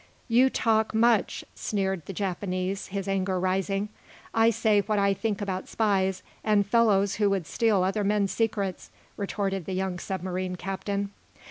"You talk much," sneered the Japanese his anger rising. "I say what I think about spies and fellows who would steal other men's secrets," retorted the young submarine captain.